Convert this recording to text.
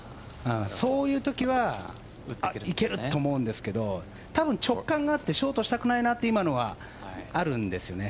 そういうときはいけると思うんですけど多分、直感があってショートしたくないなと今のあるんですね。